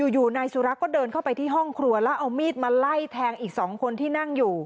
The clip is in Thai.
อยู่นายสุรักษ์ก็เดินเข้าไปที่ห้องครัวแล้วเอามีดมาไล่แทงอีก๒คนที่นั่งอยู่